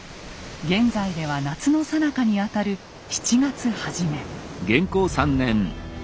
現在では夏のさなかにあたる７月初め。